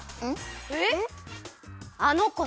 えっ？